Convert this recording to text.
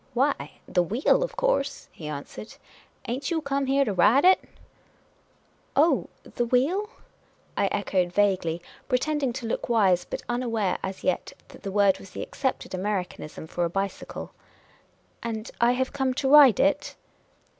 " Why, the wheel, of course," he answered. " Ain't you come here to ride it ?"" Oh, the wheel ?" I echoed, vaguely, pretending to look wise ; but unaware, as yet, that that word was the accepted Americanism for a bicycle. " And I have come to ride it?"